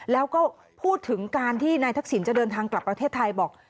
แล้วก็พูดถึงการที่นายทักษิณจะเดินทางกลับประเทศไทยบอก